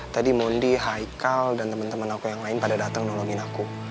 tadi mondi haikal dan temen temen aku yang lain pada dateng nolongin aku